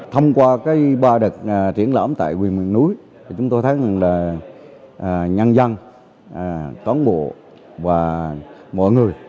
thông qua cái ba đợt triển lãm tại huyện miền núi chúng tôi thấy là nhân dân cán bộ và mọi người